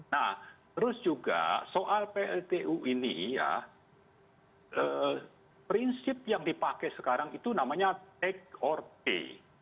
nah terus juga soal pltu ini ya prinsip yang dipakai sekarang itu namanya take or pay